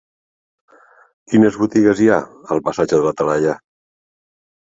Quines botigues hi ha al passatge de la Talaia?